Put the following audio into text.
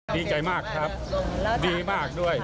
ดีใจมากครับดีมากด้วย